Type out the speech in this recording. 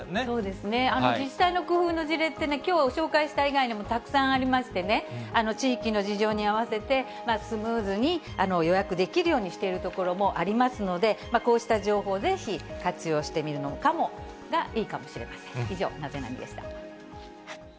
そうですね、自治体の工夫の事例って、きょう、紹介した以外にもたくさんありましてね、地域の事情に合わせて、スムーズに予約できるようにしているところもありますので、こうした情報、ぜひ活用してみるのがいいのかもしれませんね。